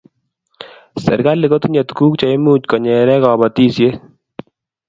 serikalii kotinye tukuuk cheimuch konyere kabotishet